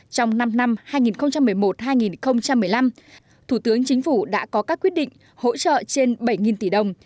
trong năm năm hai nghìn một mươi một hai nghìn một mươi năm thủ tướng chính phủ đã có các quyết định hỗ trợ trên bảy tỷ đồng